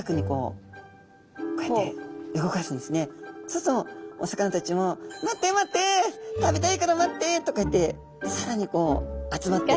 そうするとお魚たちも「待って待って食べたいから待って」とこうやってさらにこう集まって。